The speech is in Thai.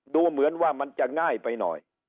ดูเหมือนว่ามันจะง่ายไปหน่อย